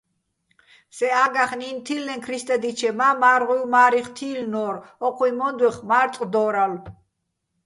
სე ა́გახ ნინო̆ თილლეჼ ქრისტადჲიჩე, მა́ მაჲრღუჲვ "მა́რიხო̆" თილლნო́რ, ო́ჴუჲ მო́ნდვეხ "მა́რწყო̆" დო́რალო̆.